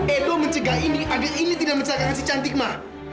edo mencegah ini agar ini tidak mencelakakan si cantik ma